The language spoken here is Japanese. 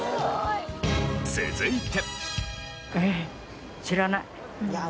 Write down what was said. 続いて。